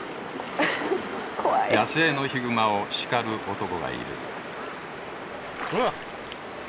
野生のヒグマを叱る男がいる。